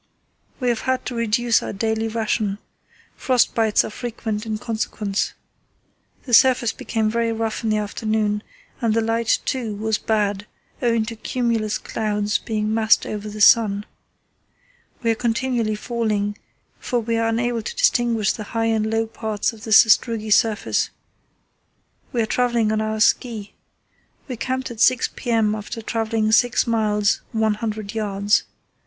We have had to reduce our daily ration. Frost bites are frequent in consequence. The surface became very rough in the afternoon, and the light, too, was bad owing to cumulus clouds being massed over the sun. We are continually falling, for we are unable to distinguish the high and low parts of the sastrugi surface. We are travelling on our ski. We camped at 6 p.m. after travelling 6 miles 100 yds.